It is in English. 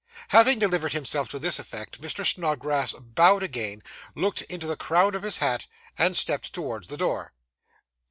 Having delivered himself to this effect, Mr. Snodgrass bowed again, looked into the crown of his hat, and stepped towards the door.